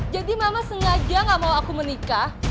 jadi mama sengaja gak mau aku menikah